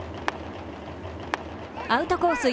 アウトコース